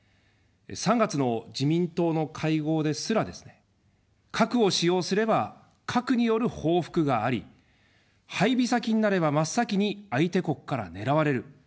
３月の自民党の会合ですらですね、核を使用すれば核による報復があり、配備先になれば真っ先に相手国から狙われる。